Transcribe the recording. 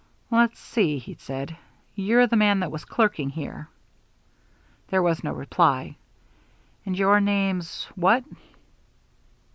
"Let's see," he said, "you're the man that was clerking here." There was no reply. "And your name's what?"